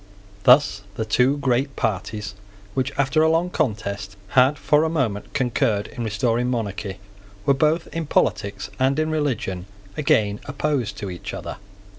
Thus the two great parties, which, after a long contest, had for a moment concurred in restoring monarchy, were, both in politics and in religion, again opposed to each other.